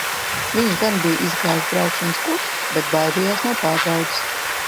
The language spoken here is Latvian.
Viņš gan bija izgājis braukšanas kursus, bet baidījās no pārbaudes.